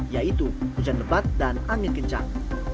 yaitu hujan lebat dan angin kencang